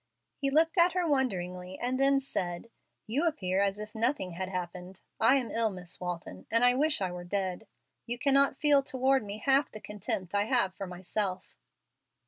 He looked at her wonderingly, and then said, "You appear as if nothing had happened. I am ill, Miss Walton, and I wish I were dead. You can not feel toward me half the contempt I have for myself."